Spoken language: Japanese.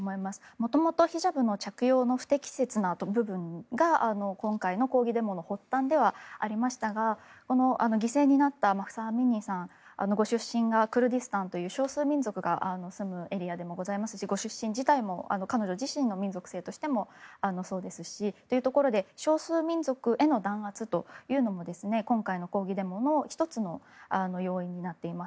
元々、ヒジャブの着用の不適切な部分が今回の抗議デモの発端ではありましたが犠牲になったマフサ・アミニさんご出身がクルディスタンという少数民族が住むエリアでございますし彼女自身の民族性としてもそうですしというところで少数民族への弾圧も今回の抗議デモの１つの要因になっています。